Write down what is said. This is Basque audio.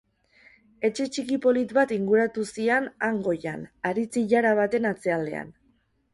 Etxe txiki polit bat inguratu zian han goian, haritz ilara baten atzealdean.